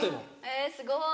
えぇすごい。